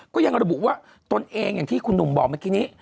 ก็ยังระบุว่าตนเองอย่างที่คุณหนุ่มบอกเมื่อกี้นี้